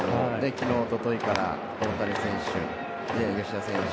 昨日、一昨日から大谷選手、吉田選手